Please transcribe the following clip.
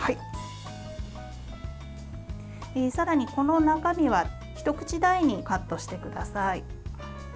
さらに、この中身は一口大にカットしてください。